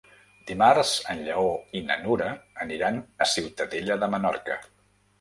Dimarts en Lleó i na Nura aniran a Ciutadella de Menorca.